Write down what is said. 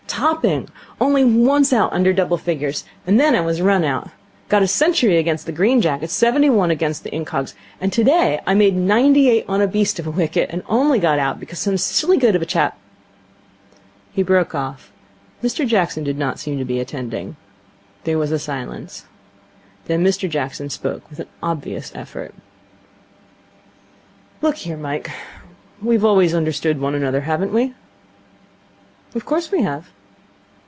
'Topping. Only once out under double figures. And then I was run out. Got a century against the Green Jackets, seventy one against the Incogs, and today I made ninety eight on a beast of a wicket, and only got out because some silly goat of a chap ' He broke off. Mr Jackson did not seem to be attending. There was a silence. Then Mr Jackson spoke with an obvious effort. 'Look here, Mike, we've always understood one another, haven't we?' 'Of course we have.'